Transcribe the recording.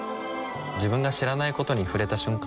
自分が知らないことに触れた瞬間